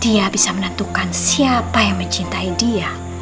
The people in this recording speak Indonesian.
dia bisa menentukan siapa yang mencintai dia